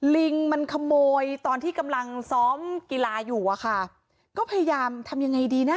ลิงมันขโมยตอนที่กำลังซ้อมกีฬาอยู่อะค่ะก็พยายามทำยังไงดีนะ